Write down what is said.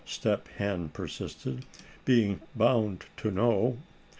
Step Hen persisted, being just bound to know.